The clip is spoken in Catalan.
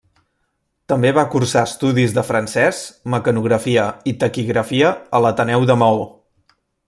També va cursar estudis de francès, mecanografia i taquigrafia a l'Ateneu de Maó.